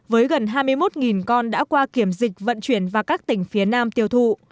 với gần hai mươi một con đã qua kiểm dịch vận chuyển vào các tỉnh phía nam tiêu thụ